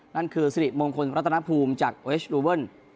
นั่นคือสิริมงคลพันธุ์พรรณภูมิจากโอเอชรูเวิล